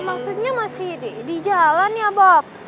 maksudnya masih di jalan ya dok